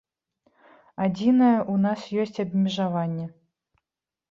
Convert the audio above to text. Адзінае, у нас ёсць абмежаванне.